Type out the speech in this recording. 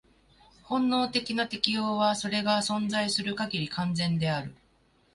本能的な適応は、それが存在する限り、完全である。